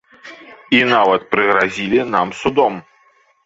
І нават прыгразілі нам судом.